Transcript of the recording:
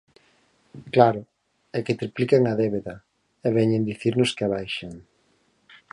Claro, é que triplican a débeda, e veñen dicirnos que a baixan.